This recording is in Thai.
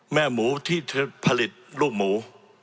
แม่หมูที่ผลิตลูกหมู